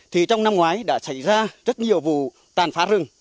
thì trong năm ngoái đã xảy ra rất nhiều vụ tàn phá rừng